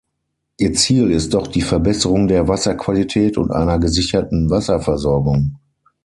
Ihr Ziel ist doch die Verbesserung der Wasserqualität und einer gesicherten Wasserversorgung.